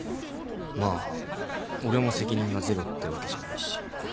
まあ俺も責任がゼロってわけじゃないし。